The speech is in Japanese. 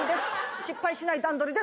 失敗しない段取りです！